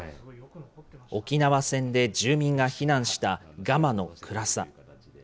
沖縄戦で住民が避難したガマの暗さ。